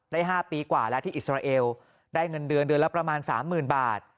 ๕ปีกว่าแล้วที่อิสราเอลได้เงินเดือนเดือนละประมาณ๓๐๐๐บาท